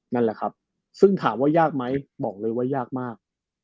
นั่นแหละครับซึ่งถามว่ายากไหมบอกเลยว่ายากมาก